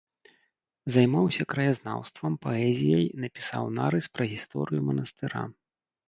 Займаўся краязнаўствам, паэзіяй, напісаў нарыс пра гісторыю манастыра.